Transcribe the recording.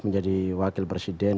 menjadi wakil presiden